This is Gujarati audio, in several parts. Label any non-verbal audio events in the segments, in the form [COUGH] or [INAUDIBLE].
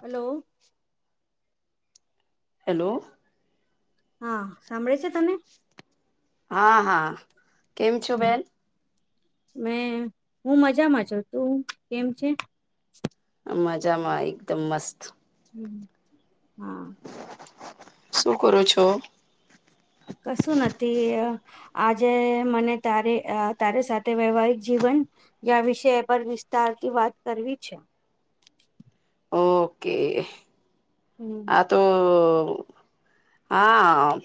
હલો હેલો હા સાંભળે છે તને હા હા કેમ છો બેન મેં હું મજામાં છુ તું કેમ છે મજામાં એકદમ મસ્ત હમ્મ હા શું કરો છો કસું નથી તે આજે મને તારે અ તારે સાથે વૈવાહિક જીવન યા વિષે પર વિસ્તારથી વાત કરવી છે ઓકે હમ્મ આ તો હા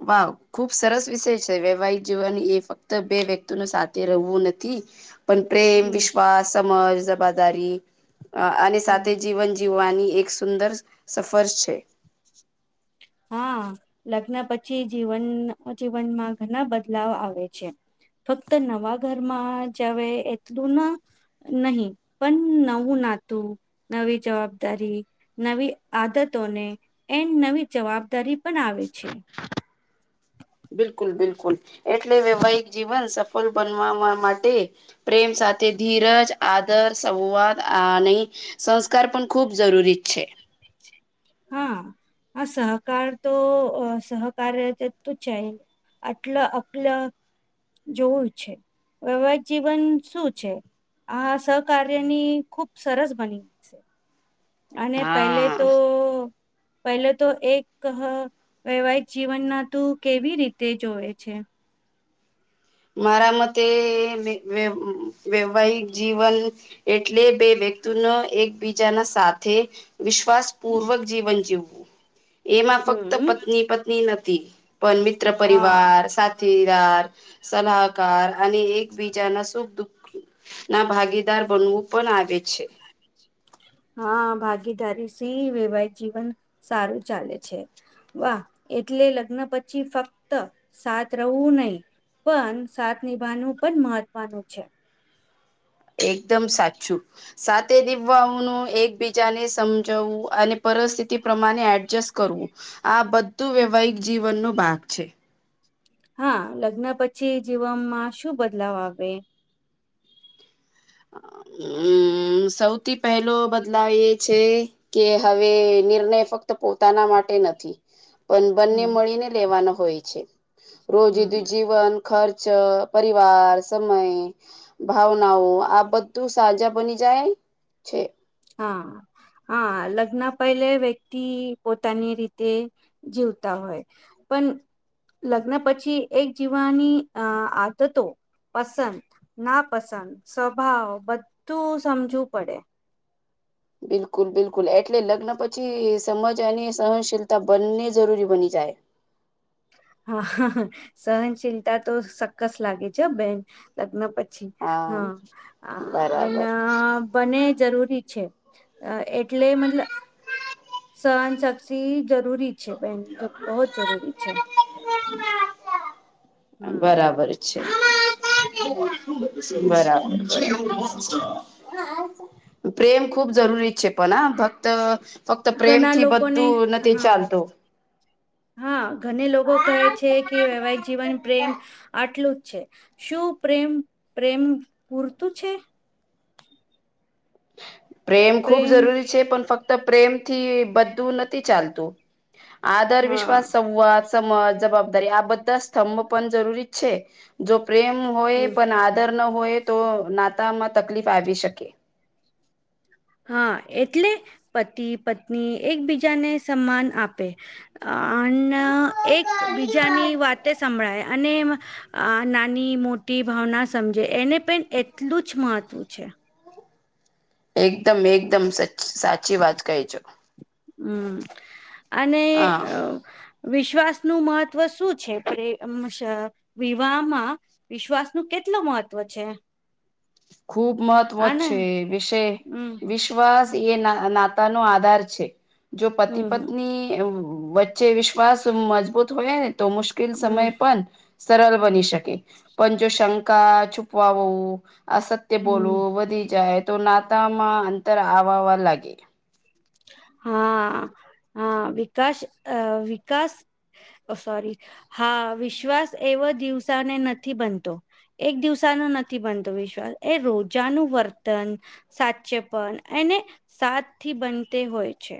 વા ખુબ સરસ વિષય છે વૈવાહિક જીવન એ ફક્ત બે વ્યક્તિ નુ સાથે રહેવું નથી પણ પ્રેમ હમ વિશ્વાસ સમજ જવાબદારી અને હમ સાથે જીવન જીવવાની એક સુંદર સફર છે હા લગ્ન પછી જીવન જીવનમાં ઘણા બદલાવ આવે છે ફક્ત નવા ઘરમાં જ આવે એટલું ના નહી પણ નવું નાતું નવી જવાબદારી નવી આદતોને એ નવી જવાબદારી પણ આવે છે બિલકુલ બિલકુલ એટલે વૈવાહિક જીવન સફળ બનવાવા માટે પ્રેમ સાથે ધીરજ આદર સંવાદ આ નહીં સંસ્કાર પણ ખુબ જરૂરી જ છે હા આ સહકાર તો સહકાર્ય તો જાયે આટલા અકલા જોવું છે વૈવાહિક જીવન શું છે આ સહકાર્યની ખુબ સરસ બની છે અને પહેલે હા તો પહેલે તો એક વૈવાહિક જીવનમાં તું કેવી રીતે જોવે છે મારા મતે વૈવાહિક જીવન એટલે બે વ્યક્તિનો એકબીજાના સાથે વિશ્વાસ પૂર્વક જીવન જીવવું એમાં ફક્ત હમ પત્ની પ તી નથીતી પણ મિત્ર હા પરિવાર સાથીદાર સલાહકાર અને એકબીજાના સુખ દુઃખ ના ભાગીદાર બનવું પણ આવે છે હા ભાગીદારી સી વૈવાહિક જીવન સારું ચાલે છે વાહ એટલે લગ્ન પછી ફક્ત સાત રહવું નહી પણ સાથ નિભાવાનું પણ મહત્વનું છે એકદમ સાચું. સાથે દિવવાનું એકબીજાને સમજાવવું અને પરિસ્થિતિ પ્રમાણે એડજસ્ટ કરવું. આ બધું વૈવાહિક જીવનનો ભાગ છે. હા લગ્ન પછી જીવનમાં શું બદલાવ આવે હમ્મ સૌથી પહેલો બદલાવ એ છે કે હવે નિર્ણય ફક્ત પોતાના માટે નથી પણ બંને હમ મળીને લેવાનો હોય છે હમ રોજુદું જીવન ખર્ચ પરિવાર સમય ભાવનાઓ આ બધું સાજા બની જાય છે. હા. હા લગ્ન પહેલે વ્યક્તિ પોતાની રીતે જીવતા હોય. પણ લગ્ન પછી એક જીવવાની અ આદતો પસંદ. ના પસંદ સ્વભાવ બધું સમજવું પડે. બિલકુલ બિલકુલ એટલે લગ્ન પછી સમજ અને સહનશીલતા બંને જરૂરી બની જાય. હા હ સહનશીલતા તો સક્કસ લાગે છે બેન. લગ્ન પછી હા બરાબર અન. બને જરૂરી છે એટલે મતલબ. સહન સાક્ષી જરૂરી છે બેન બહુ જ જરૂરી છે. બરાબર છે. હમ [UNINTELLIGIBLE] બરાબર બરાબર. પ્રેમ ખૂબ જરૂરી છે પણ હ ફક્ત ફક્ત ઘણા પ્રેમથી લોકોને બધું નથી હા ચાલતું. હા ઘને લોકો કહે છે કે વૈવાહિક જીવન પ્રેમ આટલું જ છે શું? પ્રેમ પ્રેમ પૂરતું છે. પ્રેમ ખૂબ જરૂરી છે પણ ફક્ત પ્રેમથી બધું નથી ચાલતું. આદર હા વિશ્વાસ સંવાદ. જવાબદારી આ બધા સ્તંભ પણ જરૂરી છે જો પ્રેમ હોય હમ પણ અતાર ના હોય તો નાતામાં તકલીફ આવી શકે. હા એટલે પતિ પત્ની એકબીજાને સન્માન આપે. અને એક બીજાની વાતે સંભળાય અને. આ નાની મોટી ભાવના સમજે એને પણે એટલું જ મહત્વ છે. એકદમ એકદમ સચ સાચી વાત કહેજો. હમ અને હા અ. વિશ્વાસ નું મહત્વ શું છે વિવાહમાં. વિશ્વાસ નું કેટલ મહત્વ છે? ખૂબ મહત્વ આને છે વિષે હમ વિશ્વાસ હમ એ ના. અનાતા નો આધાર છે જો પતિ હમ પત્ની વચે. વચ્ચે જે વિશ્વાસ મજબૂત હોય ને તો મુશ્કેલ હમ સમય પણ સરળ હમ બની શકે. પણ જો શંકા છુપવાું અસત્ય હમ બોલવું વધી જાય. તો નાતામાં અંતર આવવા લાગે. હા હા વિકાસ અ વિકાસ. સોરી હા વિશ્વાસ એવો દિવસાને નથી બનતો. એક દિવસાનો નથી બનતો વિશ્વાસ એ રોજાનું વર્તન. સાચે પણ એને સાત થી બનતે હોય છે.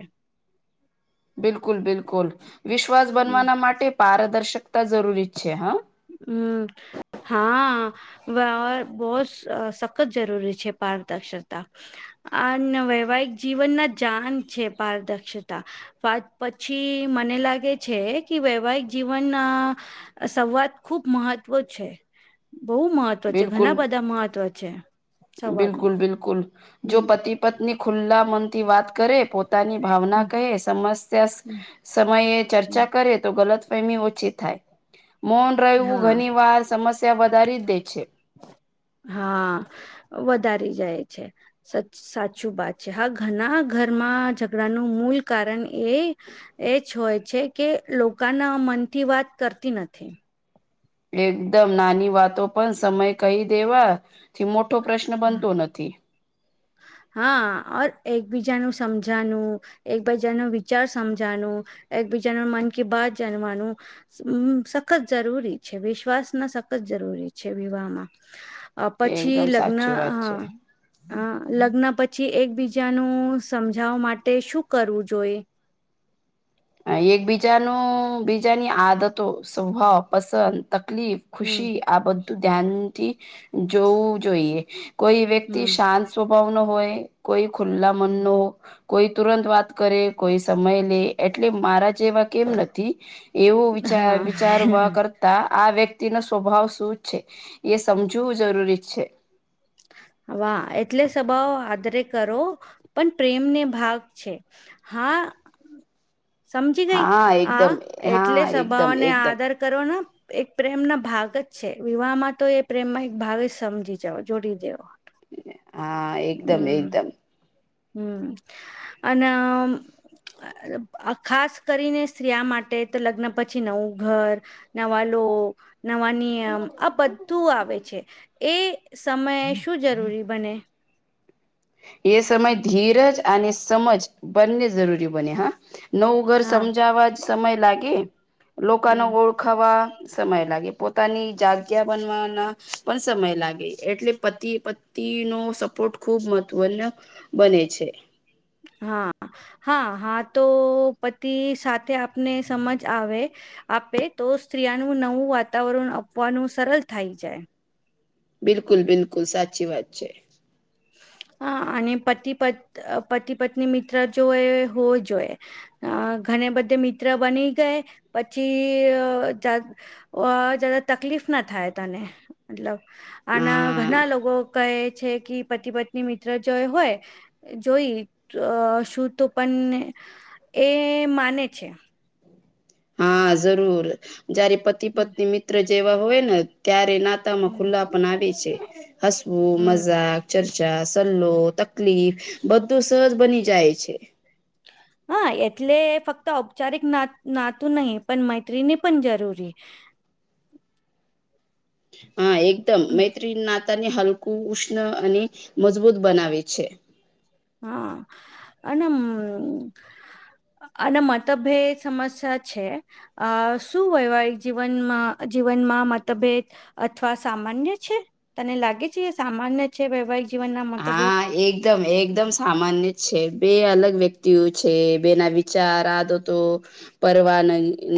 બિલકુલ બિલકુલ વિશ્વાસ હમ બનવાના માટે પારદર્શકતા જરૂરી છે હા. હમ હા. વ્ય બોહ જ સખત જરૂરી છે પારદર્શકતા. આ વૈવાહિક જીવન ના જાન છે પારદર્શતા. પા પછી મને લાગે છે કે વૈવાહિક જીવન. સંવાદ ખુબ મહત્વ છે. બહુ મહત્વ છે ઘણા બિલકુલ બધા મહત્વ છે બિલકુલ સંવાદમાં બિલકુલ જો હમ. પતિ પત્ની ખુલ્લા મન થી વાત કરે પોતે. પોતાની ભાવના હમ કહે સમસ્યા સમયે હમ ચર્ચા કરે તો ગલત. પેમી ઓછી થાય મોન રહેવું હા ઘણી વાર સમસ્યા વધારી દે. છે હા, વધારી જાય છે. સચ-સાચું બાત છે. હા ઘણા ઘરમાં ઝઘડાનું મૂલ કારણ એ એ જ હોય છે કે લોકોના મનથી વાત કરતી નથી. એકદમ નાની વાતો પણ સમય કહી દેવા થી મોટો પ્રશ્ન બનતો નથી. હા આ ઔર એકબીજાનું સમજાનું એકબીજા નું વિચાર સમજાનું એકબીજાનું મન કી બાત જાણવાનું હમ્મ સખત જરૂરી છે વિશ્વાસ ના સખત જરૂરી છે વિવાહમાં. અહ એ પછી એકદમ લગ્ન સાચી વાત હ છે અહ લગ્ન પછી એકબીજાનું સમજાવ માટે શું કરવું જોઈ. અહ એકબીજાનો બીજાની આદતો સ્વભાવ પસંદ તકલીફ હમ ખુશી આ બધું ધ્યાનથી જોવું જોઈએ કોઈ વ્યક્તિ હમ શાંત સ્વભાવ નો હોય કોઈ ખુલ્લા મન હમ. ન કોઈ તુરંત વાત કરે કોઈ સમય લે એટલે મારા જેવા કેમ નથી એવો વિચાર હા વિચારવા કર તા આ વ્યક્તિ નો સ્વભાવ શું છે એ સમજવું જરૂરી છે. વાહ એટલે સ્વભાવ આદરે કરો પણ પ્રેમને ભાગ છે. હા. સમજી ગઈ હા આ એકદમ એટલે હા એકદમ સભાઓને એકદમ આદર કરો ના એક પ્રેમ ના ભાગ જ છે વિવાહમાં તો એ પ્રેમમાં એક ભાગ જ સમજી જાવ. જોડી દેવા. હા, એકદમ એકદમ. હમ્મ, અને આમ અહ ખાસ કરીને સ્ત્રીયા માટે તો લગ્ન પછી નવું ઘર નવા લો નવાની નિયમ આ બધું આવે છે એ સમયે શું જરૂરી બને. એ સમય ધીરજ અને સમજ બંને જરૂરી બને હા. નવું ઘર હા સમજાવવા જ સમય લાગે લોકોનો હમ ઓળખાવા સમય લાગે પોતાની જગ્યા બનવાના પણ સમય લાગે એટલે પતિએ પત તી નો સપોર્ટ ખુબ મહત્વ ન બને છે. હા હા હા તો પતિ સાથે આપને સમજ આવે. આપે તો સ્ત્રીયાનું નવું વાતાવરણ આપવાનું સરલ થઈ જાય. બિલકુલ બિલકુલ સાચી વાત છે. હા, અને પતિ પત અહ પતિ પત્ની મિત્ર જો એ હોજ હોએ. અહ ઘને બધે મિત્ર બની ગય પછી અહ જાગ ઓ જ્યાદા તકલીફ ના થાય તને મતલબ આના હા ઘણા લોકો કહે છે કી પતિ પત્ની મિત્ર જો હોય જોઈ તો શું તો પણ એ માને છે. હા, જરૂર જયારે પતિ હમ પત્ની મિત્ર જેવા હોય ને ત્યારે ના તામાં હમ ખુલ્લા પણ આવે છે હસવું હમ મજાક ચર્ચા, સલ્લો, તકલીફ બધું સહજ બની જાય છે. હા એટલે ફક્ત ઔપચારિક ના નાતું નહી પણ મૈતિણી પણ જરૂરી. હા એકદમ મૈત્રી નાતા ને હલકું ઉષ્ણ અને મજબૂત બનાવે છે. હા અનેનમ. અને મતભેદ સમસ્યા છે. અ શું વૈવાહિક જીવનમાં જીવનમાં મતભેદ. અથવા સામાન્ય છે તને લાગે છે સામાન્ય છે વૈવાહિક. જીવનના મતભેદ હા એક એકદમ એકદમ સામાન્ય જ છે બે અલગ વ્યક્તિઓ છે. બેના વિચાર આદતો. પરવાન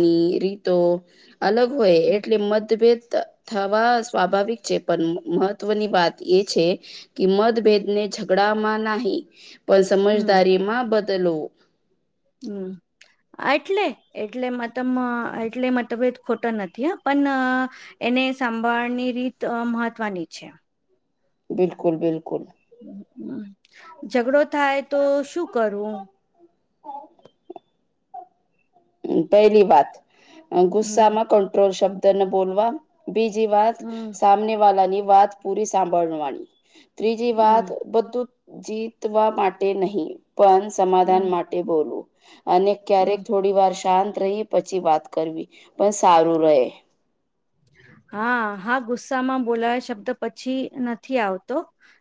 ની રીતો અલગ હોય હમ એટલે મતભેદ. થવા સ્વાભાવિક છે પણ મહત્વની વાત એ છે. કે મતભેદ ને ઝગડા માં નહી પણ હમ સમજદારી માં બદલો. હમ એટલે એટલે મત એટલે મતભેદ ખોટા નથી હ પણ એને સાંભળની રીત મહત્વની છે બિલકુલ બિલકુલ મ ઝઘડો થાય તો શું કરવું [INAUDIBLE] પહેલી વાત હમ ગુસ્સામાં કંટ્રોલ શબ્દને બોલવા બીજી વાત હમ સામને વાળની વાત પૂરી સાંભળવાની ત્રીજી હમ વાત બધું જીતવા માટે નહીં પણ હમ સમાધાન માટે બોલ અને હમ ક્યારેક થોડી વાર શાંત રહી પછી વાત કરવી પણ સારું રહે હા હા ગુસ્સામાં બોલાયો શબ્દ પછી નથી આવતો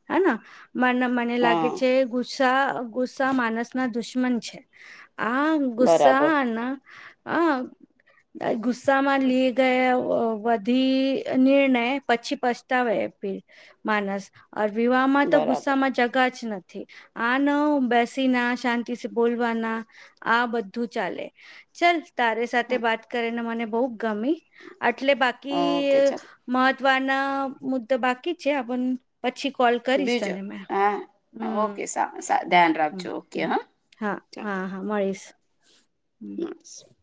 હેના મ મ લાગે હા છે ગુસ્સા ગુસ્સા માનસ ના દુશ્મન છે આ બરાબર ગુસ્સા ના હ ગુસ્સામાં લઈ ગયા બી નિર્ણય પછી પસ્તાવેી માનસ ર વિવાહ માં તો બરાબર ગુસ્સામાં જગ જ નથી આ ન બેસી ના શાંતિ બોલવાના આ બધું ચાલે ચલ તારે સાથે વાત કરીને મને બહ ગમી એટલે બાકી હા ઓકે ચાલ મહત્વના મુદ્દો બાકી છે છે આપ પછી કોલ કરીશ બીજો તને મેં હા હમ ઓકે સા ધ્યાન હમ રાખજો ઓકે હા હા હા ચાલ હા મળીશ [INAUDIBLE]